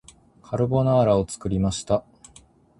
カルボナーラを作りました